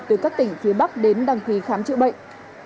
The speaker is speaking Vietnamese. từ các tỉnh phía bắc đến đăng ký khám chữa bệnh